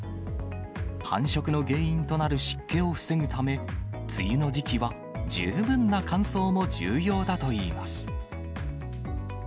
繁殖の原因となる湿気を防ぐため、梅雨の時期は十分な乾燥も重要だといいます。